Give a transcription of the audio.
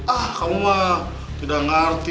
ah kamu tidak ngerti